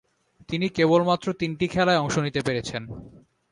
তিনি কেবলমাত্র তিনটি খেলায় অংশ নিতে পেরেছেন।